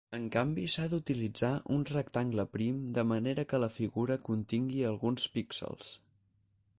En canvi, s'ha d'utilitzar un rectangle prim de manera que la figura contingui alguns píxels.